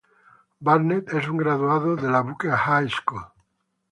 Barnett es un graduado de la Booker High School.